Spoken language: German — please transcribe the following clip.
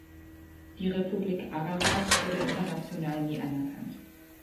Die Republik Ararat wurde international nie anerkannt.